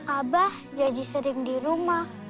abah jadi sering di rumah